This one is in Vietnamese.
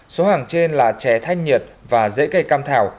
số hàng trên là chè thanh nhiệt và dễ cây cam thảo